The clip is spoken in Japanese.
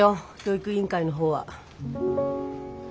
教員委員会の方は。え？